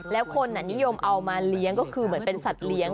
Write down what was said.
แล้วคนนิยมเอามาเลี้ยงก็คือเหมือนเป็นสัตว์เลี้ยง